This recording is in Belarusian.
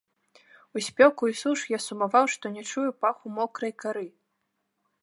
У спёку і суш я сумаваў, што не чую паху мокрай кары.